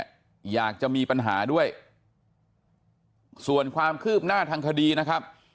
อยากจะมีปัญหาด้วยส่วนความคืบหน้าทางคดีนะครับ